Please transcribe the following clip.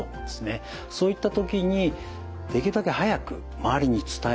そういった時にできるだけ早く周りに伝える。